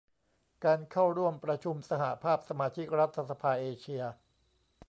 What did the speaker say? การเข้าร่วมประชุมสหภาพสมาชิกรัฐสภาเอเชีย